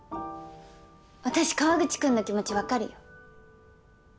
私河口君の気持ち分かるよ。